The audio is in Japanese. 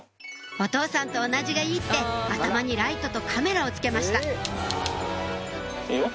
お父さんと同じがいいって頭にライトとカメラをつけましたいいよ。